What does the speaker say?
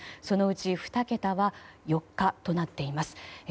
そのうち２桁は４日となっています。